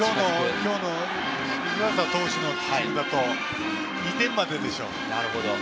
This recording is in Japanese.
今日の湯浅投手のピッチングだと２点まででしょう。